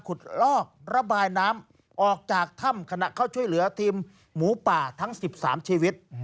ลอกระบายน้ำออกจากถ้ำขณะเข้าช่วยเหลือทีมหมูป่าทั้ง๑๓ชีวิต